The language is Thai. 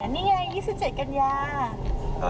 นี่ไง๒๗กันยา